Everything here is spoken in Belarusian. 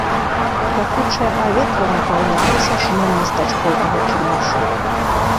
Пякучае паветра напаўнялася шумам местачковага кірмашу.